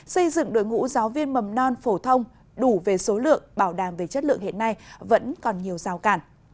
xây dựng đội ngũ giáo viên mầm non phổ thông đủ về số lượng bảo đảm về chất lượng hiện nay vẫn còn nhiều rào cản